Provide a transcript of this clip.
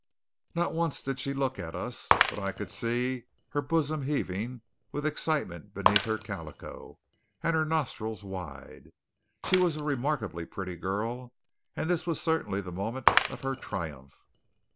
Not once did she look at us; but I could see her bosom heaving with excitement beneath her calico, and her nostrils wide. She was a remarkably pretty girl; and this was certainly the moment of her triumph.